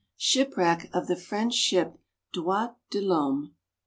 SHIPWRECK OF THE FRENCH SHIP DROITS DE L'HOMME.